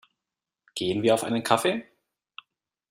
Gehen wir auf einen Kaffee?